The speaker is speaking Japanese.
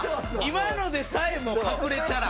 今のでさえも隠れチャラ？